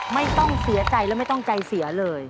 ไม่ต้องเสียใจและไม่ต้องใจเสียเลย